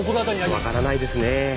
わからないですねえ。